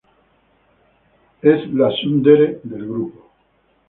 Es la Tsundere del grupo.